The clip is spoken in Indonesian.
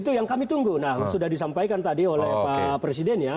itu yang kami tunggu nah sudah disampaikan tadi oleh pak presiden ya